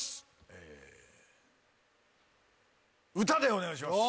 ええ「歌」でお願いします。